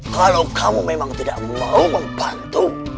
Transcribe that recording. kalau kamu memang tidak mau membantu